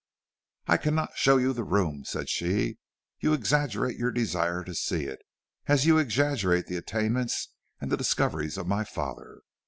"I cannot show you the room," said she. "You exaggerate your desire to see it, as you exaggerate the attainments and the discoveries of my father.